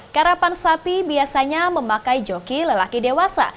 karapan sapi biasanya memakai joki lelaki dewasa